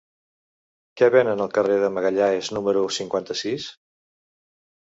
Què venen al carrer de Magalhães número cinquanta-sis?